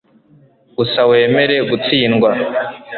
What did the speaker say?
gusa wemere gutsindwa